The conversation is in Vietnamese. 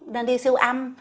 nên đi siêu âm